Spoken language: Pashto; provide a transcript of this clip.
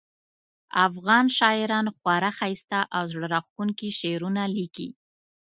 افغان شاعران خورا ښایسته او زړه راښکونکي شعرونه لیکي